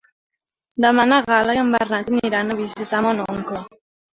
Demà na Gal·la i en Bernat aniran a visitar mon oncle.